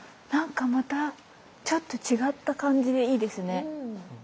何かまたちょっと違った感じでいいですね。